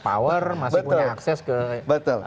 masih punya akses ke